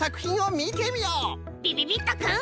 びびびっとくん。